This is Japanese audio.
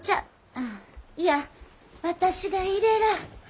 あいや私がいれらあ。